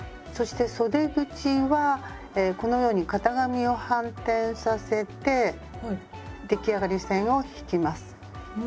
そしてそで口はこのように型紙を反転させて出来上がり線を引きます。